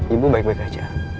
ibu baik baik aja